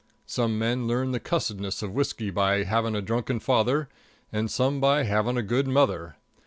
Some men learn the cussedness of whiskey by having a drunken father; and some by having a good mother.